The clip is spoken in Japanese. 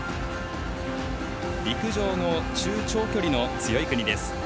陸上の中長距離の強い国です。